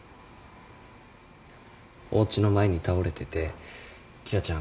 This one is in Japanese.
おうちの前に倒れてて紀來ちゃん